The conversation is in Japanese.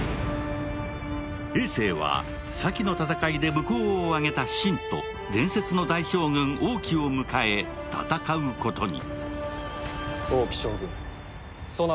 えい政は先の戦いで武功を挙げた信と伝説の大将軍・王騎を迎え戦うことに。